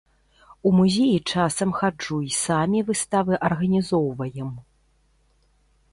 У музеі часам хаджу і самі выставы арганізоўваем.